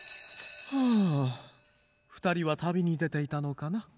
二人は旅に出ていたのかな？